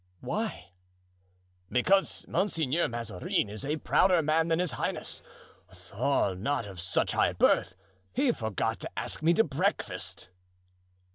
"Why?" "Because Monseigneur Mazarin is a prouder man than his highness, though not of such high birth: he forgot to ask me to breakfast."